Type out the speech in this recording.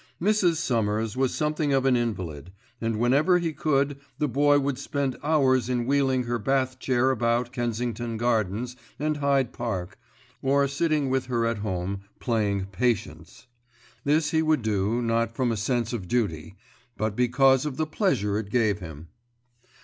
Mrs. Summers was something of an invalid, and whenever he could the Boy would spend hours in wheeling her bath chair about Kensington Gardens and Hyde Park, or sitting with her at home playing "Patience." This he would do, not from a sense of duty; but because of the pleasure it gave him.